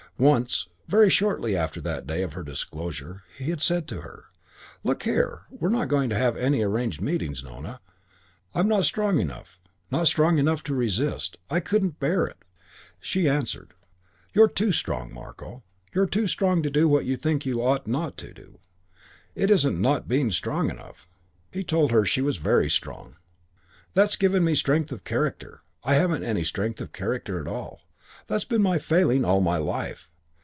Once, very shortly after that day of her disclosure, he had said to her, "Look here, we're not going to have any arranged meetings, Nona. I'm not strong enough not strong enough to resist. I couldn't bear it." She answered, "You're too strong, Marko. You're too strong to do what you think you ought not to do; it isn't not being strong enough." He told her she was very wrong. "That's giving me strength of character. I haven't any strength of character at all. That's been my failing all my life.